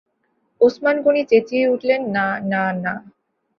ওসমান গনি চেঁচিয়ে উঠলেন, না না না।